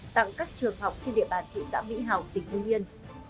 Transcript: tặng các trường học trên địa bàn thị xã mỹ hào tỉnh hương yên